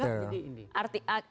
akhirnya ya sudah kita pilih